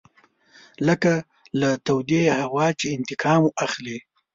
لکه له تودې هوا چې انتقام اخلو.